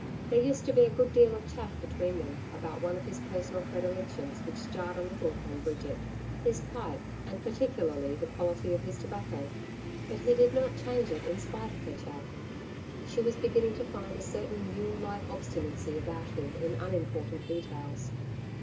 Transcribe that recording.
There used to be a good deal of chaff between them about one of his personal predilections which jarred a little upon Bridget his pipe and, particularly, the quality of his tobacco. But he did not change it in spite of her chaff. She was beginning to find a certain mule like obstinacy about him in unimportant details.